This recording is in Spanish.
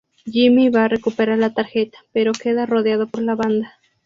Jimmy va a recuperar la tarjeta, pero queda rodeado por la banda.